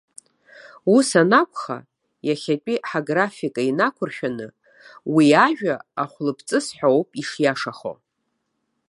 Ус анкәха, иахьатәи ҳагрфика инақәыршәаны уи ажәа ахәылԥҵыс ҳәа ауп ишиашахо.